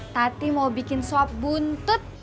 tati mau bikin suap buntut